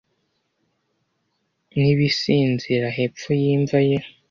nibisinzira hepfo yimva ye